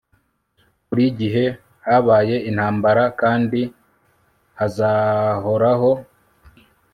buri gihe habaye intambara kandi hazahoraho